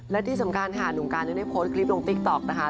และที่สำคัญค่ะหนุ่มการยังได้โพสต์คลิปลงติ๊กต๊อกนะคะ